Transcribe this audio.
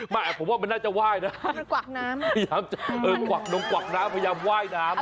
ไม่ผมว่ามันน่าจะไหว้นะเออน้องกวักน้ำพยายามไหว้น้ำนะ